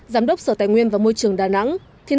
giám đốc sở tài nguyên và môi trường đà nẵng